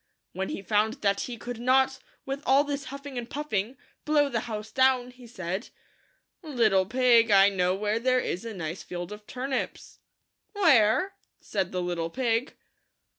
When he found that he could not, with all his huffing and puffing, blow the house down, he said, " Little pig, I know where there is a nice field of turnips." "Where?" said the little pig.